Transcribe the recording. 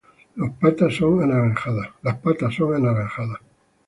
Las patas son anaranjadas.